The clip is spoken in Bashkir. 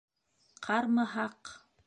Ҡар мыһаҡ!